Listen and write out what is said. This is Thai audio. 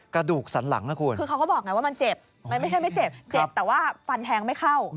กระดูกสันหลังนะคุณคือเขาก็บอกไงว่ามันเจ็บมันไม่ใช่ไม่เจ็บเจ็บแต่ว่าฟันแทงไม่เข้า